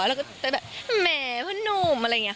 แล้วก็เป็นแบบแหมเพื่อนหนุ่มอะไรอย่างนี้